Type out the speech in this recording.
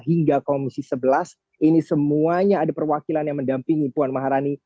hingga komisi sebelas ini semuanya ada perwakilan yang mendampingi puan maharani